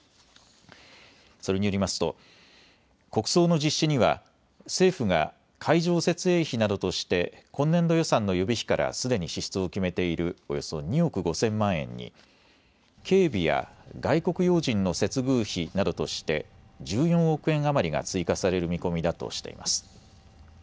それによりますと国葬の実施には政府が会場設営費などとして今年度予算の予備費からすでに支出を決めているおよそ２億５０００万円に警備や外国要人の接遇費などとして１４億円余りが追加される見込みだとしています。